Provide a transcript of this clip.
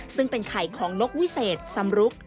ซึ่งเป็นไข่ของนกวิเศษสำรุก